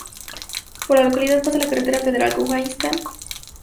Por la localidad pasa la carretera federal Kurgáninsk-Ust-Labinsk.